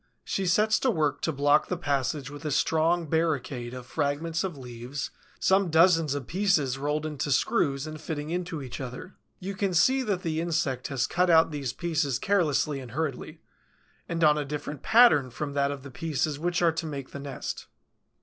She sets to work to block the passage with a strong barricade of fragments of leaves, some dozens of pieces rolled into screws and fitting into each other. You can see that the insect has cut out these pieces carelessly and hurriedly, and on a different pattern from that of the pieces which are to make the nest.